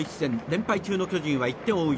連敗中の巨人は１点を追う